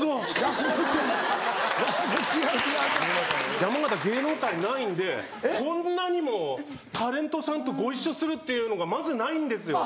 山形芸能界ないんでこんなにもタレントさんとご一緒するっていうのがまずないんですよ。